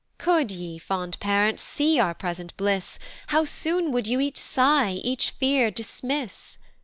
"Could ye, fond parents, see our present bliss, "How soon would you each sigh, each fear dismiss?